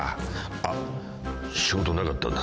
あっ仕事なかったんだ。